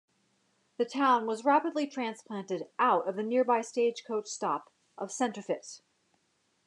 The town was rapidly transplanted out of the nearby stagecoach stop of Senterfitt.